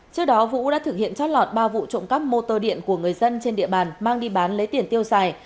trước đó vũ đã thực hiện trót lọt ba vụ trộm cắp motor điện của người dân trên địa bàn mang đi bán lấy tiền tiêu xài